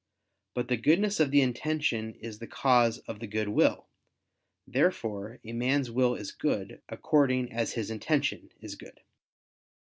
But the goodness of the intention is the cause of the good will. Therefore a man's will is good, according as his intention is good.